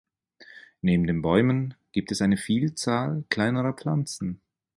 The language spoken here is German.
Neben den Bäumen gibt es eine Vielzahl kleinerer Pflanzen.